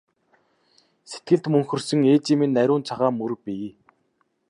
Сэтгэлд мөнхөрсөн ээжийн минь ариун цагаан мөр бий!